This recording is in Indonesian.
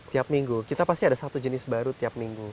tiap minggu kita pasti ada satu jenis baru tiap minggu